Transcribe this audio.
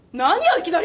いきなり。